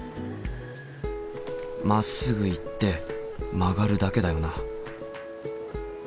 まっすぐ行って曲がるだけだよな